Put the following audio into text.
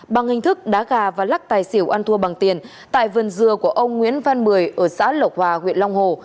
bằng hình thức đá gà và lắc tài xỉu ăn thua bằng tiền tại vườn dừa của ông nguyễn văn mười ở xã lộc hòa huyện long hồ